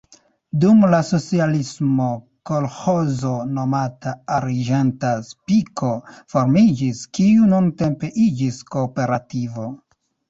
Dum la socialismo kolĥozo nomata "Arĝenta Spiko" formiĝis, kiu nuntempe iĝis kooperativo.